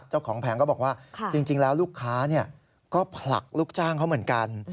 แผงก็บอกว่าจริงแล้วลูกค้าก็ผลักลูกจ้างเขาเหมือนกัน